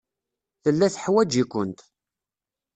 Tella teḥwaj-ikent.